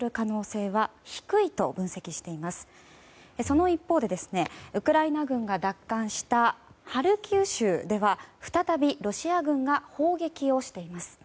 その一方でその一方でウクライナ軍が奪還したハルキウ州では再びロシア軍が砲撃をしています。